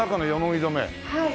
はい。